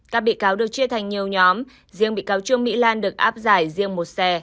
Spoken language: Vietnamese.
các bị cáo được chia thành nhiều nhóm riêng bị cáo trương mỹ lan được áp giải riêng một xe